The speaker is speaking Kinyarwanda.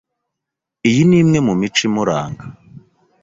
Iyi ni imwe mu mico imuranga